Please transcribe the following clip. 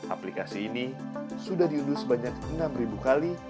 aplikasi ini sudah diunduh sebanyak enam kali